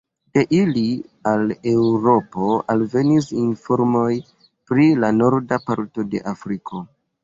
De ili al Eŭropo alvenis informoj pri la norda parto de Afriko.